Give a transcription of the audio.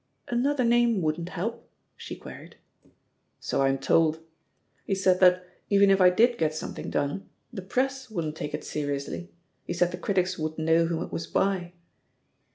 "Another name wouldn't help?" she queried. "So I'm told. He said that, even if I did get something done, the Press wouldn't take it seriously. He said the critics would know whom it was by."